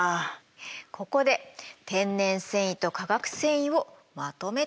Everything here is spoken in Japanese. ここで天然繊維と化学繊維をまとめてみましょう。